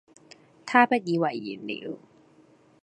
他不以爲然了。